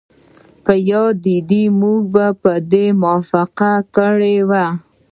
په یاد دي موږ په دې موافقه کړې وه